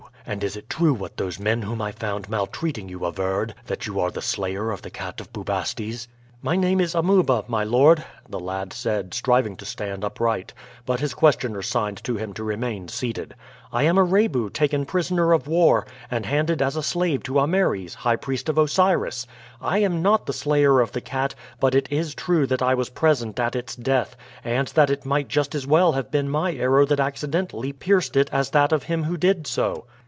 and is it true what those men whom I found maltreating you averred, that you are the slayer of the Cat of Bubastes?" "My name is Amuba, my lord," the lad said, striving to stand upright, but his questioner signed to him to remain seated. "I am a Rebu taken prisoner of war, and handed as a slave to Ameres, high priest of Osiris. I am not the slayer of the cat, but it is true that I was present at its death, and that it might just as well have been my arrow that accidentally pierced it as that of him who did so."